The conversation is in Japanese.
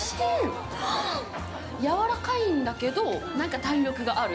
やわらかいんだけど、弾力がある。